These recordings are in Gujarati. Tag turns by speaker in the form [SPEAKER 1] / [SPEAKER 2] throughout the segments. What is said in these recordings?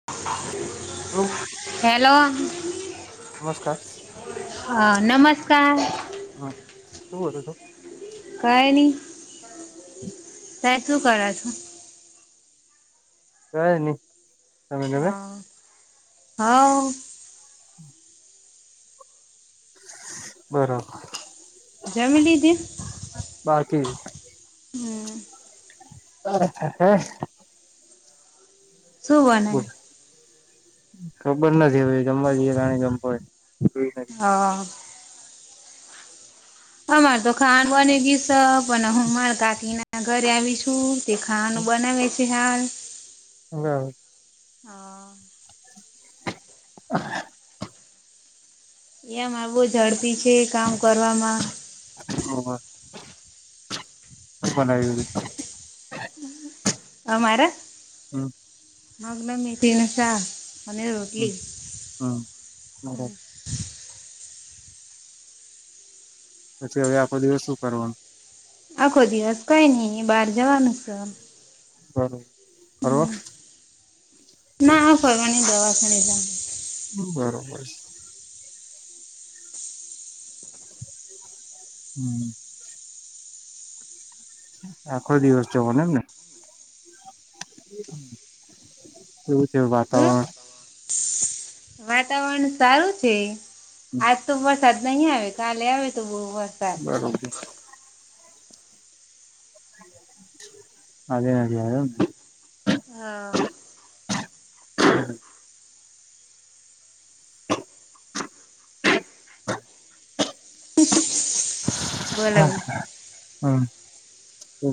[SPEAKER 1] [unintelligible] [inaudible]
[SPEAKER 2] હવ, [inaudible]
[SPEAKER 1] હેલો! હ નમસ્કાર!
[SPEAKER 2] હા શું બોલું છું.?
[SPEAKER 1] કાઈ ની.
[SPEAKER 2] [inaudible]
[SPEAKER 1] તય શું કરો છો?
[SPEAKER 2] કઈ ની.
[SPEAKER 1] હા હાવ.
[SPEAKER 2] બરોબર. બાકી
[SPEAKER 1] [unintelligible] હમ.
[SPEAKER 2] [unintelligible]
[SPEAKER 1] શું બનાય?
[SPEAKER 2] ખબર નથી હવે જમવા જઈએ કારાણે જમતો હોય
[SPEAKER 1] હા. અમાર તો ખાંડ બની ગસ અ પણ હું મારા કાકી ના ઘરે આવી છું. તે ખાવાનું બનાવે છે હાલ
[SPEAKER 2] [unintelligible]
[SPEAKER 1] હા. !
[SPEAKER 2] [unintelligible]
[SPEAKER 1] [unintelligible] ઝડપી છે કામ કરવામાં.
[SPEAKER 2] [unintelligible] બનાવેલું જ છે.
[SPEAKER 1] અ મારા?
[SPEAKER 2] હમ.
[SPEAKER 1] [unintelligible] અને
[SPEAKER 2] હમ
[SPEAKER 1] રોટલી
[SPEAKER 2] હમ
[SPEAKER 1] હમ
[SPEAKER 2] બરાબર
[SPEAKER 1] [inaudible]
[SPEAKER 2] પછી અવે આખો દિવસ શું કરવાનું.?
[SPEAKER 1] અખો દિવસ કઈ ની બાર જવાનું સ
[SPEAKER 2] બરોબર ફરવા?
[SPEAKER 1] ના હ ફરવાણી દવા ખણી જા
[SPEAKER 2] બરોબર. હમ. આખો દિવસ જવાને એમ ને? કેવું છે
[SPEAKER 1] શું
[SPEAKER 2] વાતાવરણ?
[SPEAKER 1] વાતાવરણ સારું છે. આજ તો વરસાદ નહી આવે કાલે આવે તો બઉ વરસાદ
[SPEAKER 2] [unintelligible] [unintelligible]
[SPEAKER 1] હા.
[SPEAKER 2] [inaudible]
[SPEAKER 1] [unintelligible] બોલાવી
[SPEAKER 2] હા. હા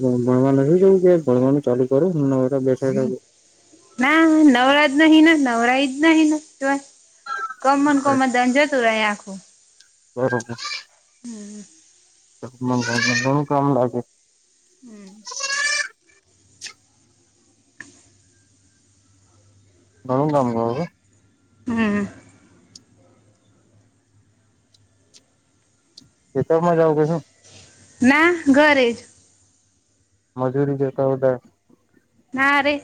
[SPEAKER 2] ભણવા લાગી ગઈ કે ભણવા નું ચાલુ કર્યુ નવરા બેઠા તે
[SPEAKER 1] ના હ નવરા જ નહીના નવરાઈ જ નહીં ન તોય. કોમા ને કોમ દન જતું રહે આખું.
[SPEAKER 2] બરાબર.
[SPEAKER 1] હમ.
[SPEAKER 2] [unintelligible] કામ બાકી
[SPEAKER 1] હમ્મ.
[SPEAKER 2] ઘણું કામ કરો છો.
[SPEAKER 1] હમ.
[SPEAKER 2] [unintelligible]
[SPEAKER 1] ના ઘરે
[SPEAKER 2] મજૂરી જેતા [unintelligible]
[SPEAKER 1] ના રે.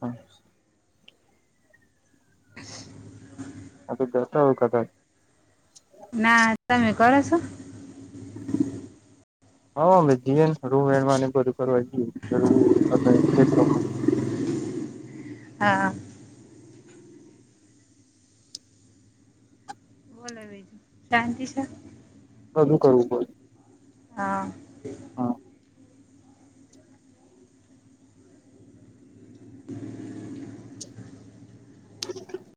[SPEAKER 2] હા. આ તે એકાદા.
[SPEAKER 1] ના, તમે કરો છો? [inaudible]
[SPEAKER 2] હા મે જીએન કરું એમાં ને બધું કરું એટલે [inaudible]
[SPEAKER 1] હા. બોલો બીજું. શાંતી છે?
[SPEAKER 2] બધું કરવું પડે
[SPEAKER 1] હા.
[SPEAKER 2] હા.
[SPEAKER 1] [inaudible]
[SPEAKER 2] [inaudible]